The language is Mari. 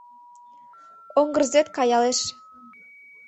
Оҥгырзет каялеш.